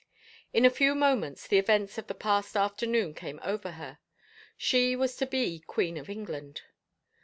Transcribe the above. In a few moments the events of the past afternoon came over her. She was to be Queen of England